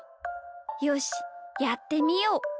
よしやってみよう。